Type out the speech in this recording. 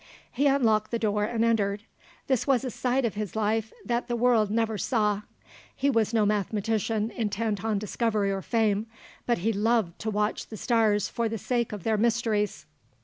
He unlocked the door and entered. This was a side of his life that the world never saw; he was no mathematician intent on discovery or fame, but he loved to watch the stars for the sake of their mysteries.